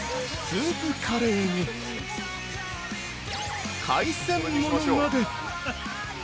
スープカレーに、海鮮ものまで。